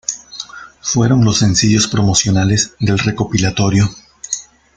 Fueron los sencillos promocionales del recopilatorio.